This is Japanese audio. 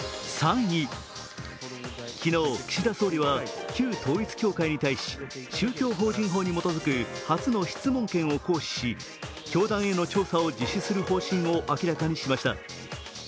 昨日岸田総理は旧統一教会に対し宗教法人法に基づく初の質問権を行使し、教団への調査を実施する方針を明らかにしました。